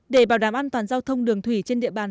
để bảo đảm an toàn giao thông đường thủy trên địa bàn